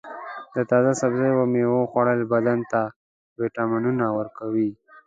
د تازه سبزیو او میوو خوړل بدن ته وټامینونه ورکوي.